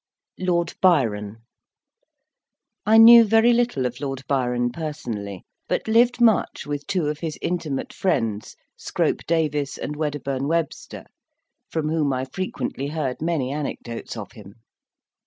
LORD BYRON I knew very little of Lord Byron personally, but lived much with two of his intimate friends, Scrope Davis and Wedderburn Webster; from whom I frequently heard many anecdotes of him.